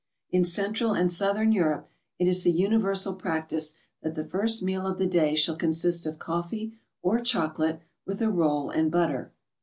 In Central and Southern Europe it is the universal practice that the first meal of the day shall consist of coffee or chocolate, with a roll and butter.